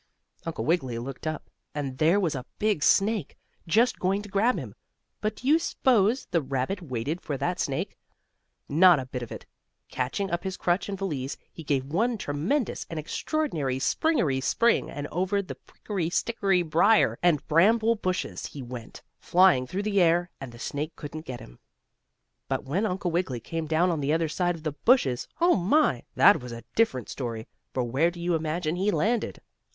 Uncle Wiggily looked up, and there was a big snake, just going to grab him. But do you s'pose the rabbit waited for that snake? Not a bit of it. Catching up his crutch and valise, he gave one tremendous and extraordinary springery spring, and over the prickery stickery briar and bramble bushes he went, flying through the air, and the snake couldn't get him. But when Uncle Wiggily came down on the other side of the bushes! Oh, my! that was a different story. For where do you imagine he landed?